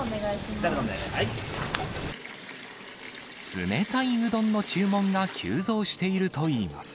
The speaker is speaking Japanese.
冷たいうどんの注文が急増しているといいます。